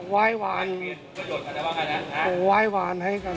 ไว้วานของเรา